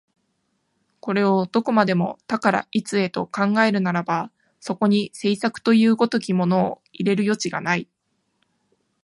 これをどこまでも多から一へと考えるならば、そこに製作という如きものを入れる余地がない。